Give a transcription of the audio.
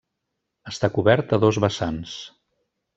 Està coberta a dos vessants.